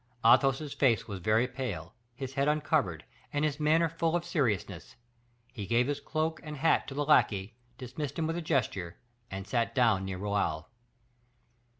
Athos's face was very pale, his head uncovered, and his manner full of seriousness; he gave his cloak and hat to the lackey, dismissed him with a gesture, and sat down near Raoul.